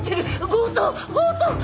強盗強盗！